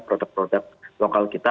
produk produk lokal kita